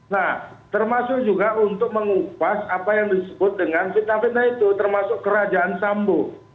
nah termasuk juga untuk mengupas apa yang disebut dengan fitnah fitnah itu termasuk kerajaan sambu